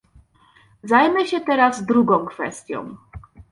Zajmę się teraz drugą kwestią